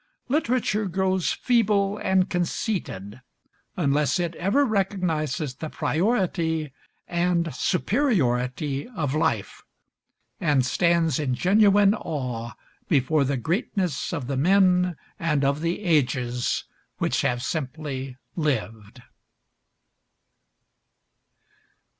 Literature grows feeble and conceited unless it ever recognizes the priority and superiority of life, and stands in genuine awe before the greatness of the men and of the ages which have simply lived.